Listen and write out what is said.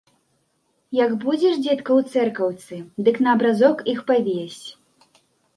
Як будзеш, дзедка, у цэркаўцы, дык на абразок іх павесь.